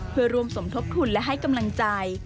เพื่อร่วมสมทบทุนและให้กำลังใจ